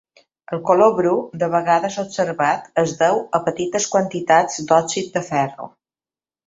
El color bru de vegades observat es deu a petites quantitats d'òxid de ferro.